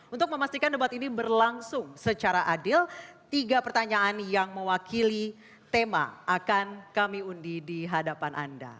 untuk memastikan debat ini berlangsung secara adil tiga pertanyaan yang mewakili tema akan kami undi di hadapan anda